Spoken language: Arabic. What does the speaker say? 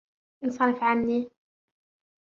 انصرف عني!